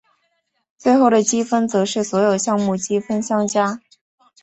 最后的积分则是所有项目积分相加。